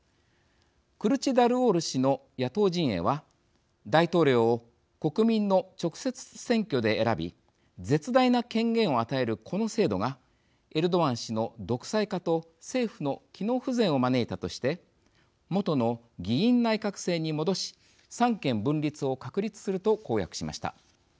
クルチダルオール氏の野党陣営は大統領を国民の直接選挙で選び絶大な権限を与えるこの制度がエルドアン氏の独裁化と政府の機能不全を招いたとして元の議院内閣制に戻し三権分立を確立すると公約しました。